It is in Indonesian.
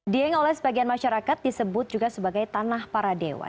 dieng oleh sebagian masyarakat disebut juga sebagai tanah para dewa